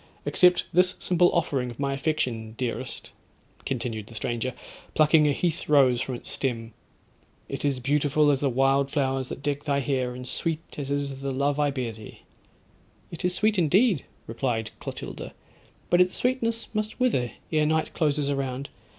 Accept this simple offering of my affection, dearest,' continued the stranger, plucking a heath rose from its stem; 'it is beautiful as the wild flowers that deck thy hair, and sweet as is the love I bear thee.'—'It is sweet, indeed,' replied Clotilda, 'but its sweetness must wither ere night closes around.